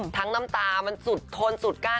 ทั้งน้ำตามันทนสุดก้าน